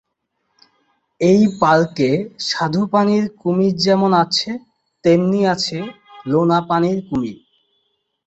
এই পার্কে স্বাদুপানির কুমির যেমন আছে, তেমনি আছে লোনা পানির কুমির।